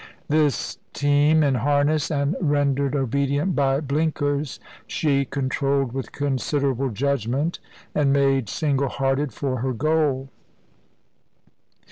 This team, in harness, and rendered obedient by blinkers, she controlled with considerable judgment, and made, single hearted, for her goal.